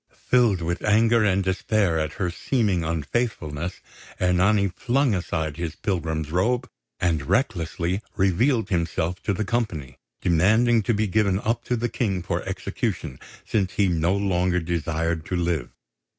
Filled with anger and despair at her seeming unfaithfulness, Ernani flung aside his pilgrim's robe and recklessly revealed himself to the company, demanding to be given up to the King for execution, since he no longer desired to live.